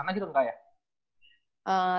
rencana gitu enggak ya